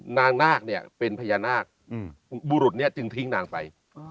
นาคเนี่ยเป็นพญานาคบุรุษเนี่ยจึงทิ้งนางไป